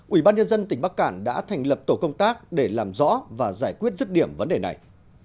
ủy ban nhân dân tỉnh bắc cản đã thành lập tổ công tác để làm rõ và giải quyết rứt điểm vấn đề này